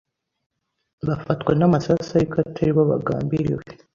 bagafatwa n’amasasu ariko atari bo bagambiriwe